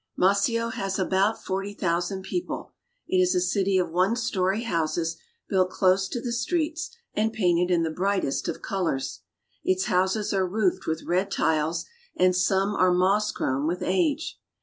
Maceo has about forty thousand people. It is a city of one story houses, built close to the streets and painted in the brightest of colors. Its houses are roofed with red tiles, and some are moss grown with age.